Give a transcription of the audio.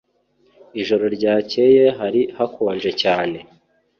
Ijoro ryakeye hari hakonje cyane